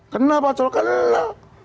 kenal paco kenal